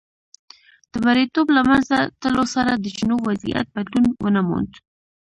د مریتوب له منځه تلو سره د جنوب وضعیت بدلون ونه موند.